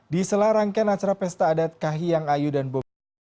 di selarangkan acara pesta adat kahiyang ayu dan bom